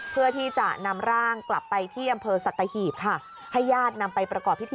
เพื่อที่จะนำร่างกลับไปที่อำเภอสัตยาหีพ